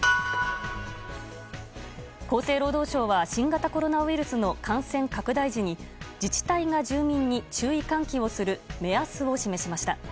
厚生労働省は新型コロナウイルスの感染拡大時に、自治体が住民に注意喚起をする目安を示しました。